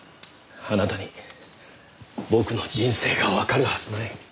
あなたに僕の人生がわかるはずない。